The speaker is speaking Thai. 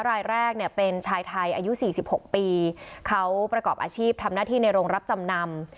รายแรกเนี่ยเป็นชายไทยอายุ๔๖ปีเขาประกอบอาชีพทำหน้าที่ในโรงรับจำนำ